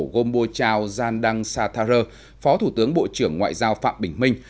ngô mô chào gian đăng sa tha rơ phó thủ tướng bộ trưởng ngoại giao phạm bình minh